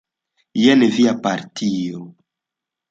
Jen via partio.